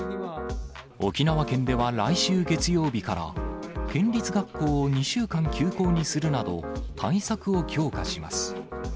沖縄県では来週月曜日から、県立学校を２週間休校にするなど、対策を強化します。